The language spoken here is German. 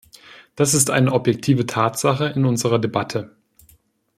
Das ist eine objektive Tatsache in unserer Debatte.